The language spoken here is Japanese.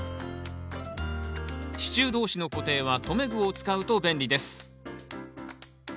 支柱同士の固定は留め具を使うと便利です。